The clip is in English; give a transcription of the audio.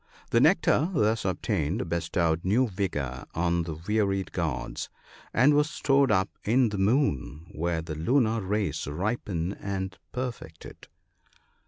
The nectar thus obtained bestowed new vigour on the wearied gods, and was stored up in the moon, where the lunar rays ripen and perfect it.